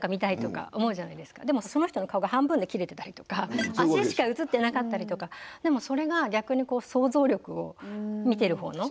でもその人の顔が半分で切れてたりとか足しか映ってなかったりとかでもそれが逆に想像力を見てる方の。